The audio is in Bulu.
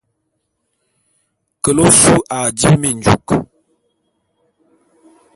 Kele ôsu a dibi minjuk.